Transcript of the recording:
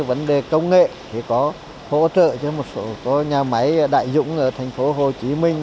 vấn đề công nghệ thì có hỗ trợ cho một số nhà máy đại dũng ở thành phố hồ chí minh